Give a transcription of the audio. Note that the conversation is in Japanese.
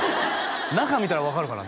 中見たら分かるかな？